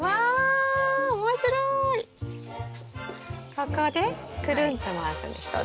ここでくるんと回すんでしたっけ？